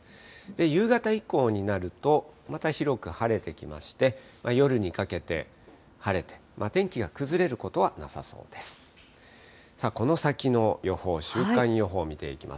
夕方以降になると、また広く晴れてきまして、夜にかけて晴れて、天気が崩れることはなさそうです。